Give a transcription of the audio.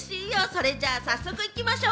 それじゃあ早速行きましょう。